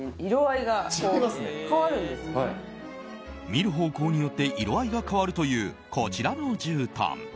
見る方向によって色合いが変わるというこちらのじゅうたん。